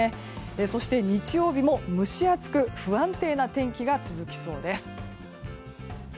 そして、日曜日も蒸し暑く不安定な天気が続きそうです。